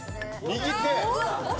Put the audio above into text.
右手。